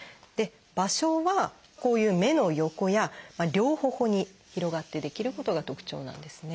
場所はこういう目の横や両頬に広がって出来ることが特徴なんですね。